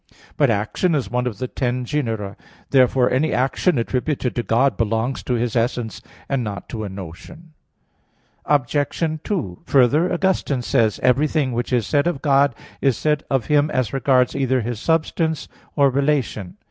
But action is one of the ten genera. Therefore any action attributed to God belongs to His essence, and not to a notion. Obj. 2: Further, Augustine says (De Trin. v, 4,5) that, "everything which is said of God, is said of Him as regards either His substance, or relation."